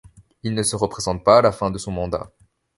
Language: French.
Il ne se représente pas à la fin de son mandat.